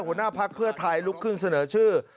หัวหน้าพักเพื่อไทยลุกขึ้นเสนอชื่อ